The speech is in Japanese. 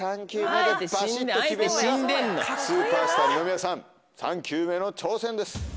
３球目の挑戦です。